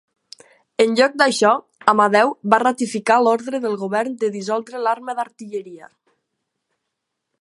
En lloc d'això, Amadeu va ratificar l'ordre del govern de dissoldre l'arma d'artilleria.